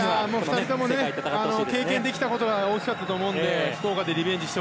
２人とも経験できたことが大きかったと思うので。